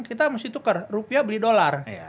kita mesti tukar rupiah beli dolar